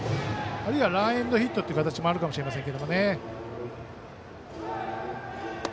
あるいはランエンドヒットもあるかもしれませんけど。